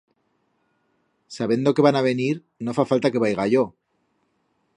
Sabendo que van a venir, no fa falta que vaiga yo.